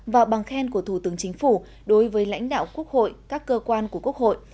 và bằng khen của thủ tướng chính phủ đối với lãnh đạo quốc hội các cơ quan của quốc hội